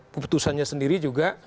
keputusannya sendiri juga